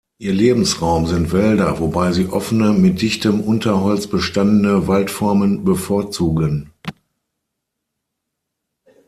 Ihr Lebensraum sind Wälder, wobei sie offene, mit dichtem Unterholz bestandene Waldformen bevorzugen.